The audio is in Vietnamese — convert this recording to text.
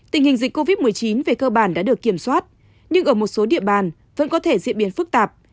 tình hình dịch covid một mươi chín về cơ bản đã được kiểm soát nhưng ở một số địa bàn vẫn có thể diễn biến phức tạp